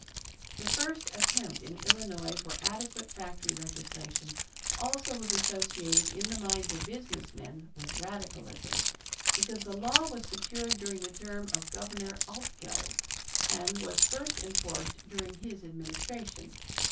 This first attempt in Illinois for adequate factory legislation also was associated in the minds of businessmen with radicalism, because the law was secured during the term of Governor Altgeld and was first enforced during his administration.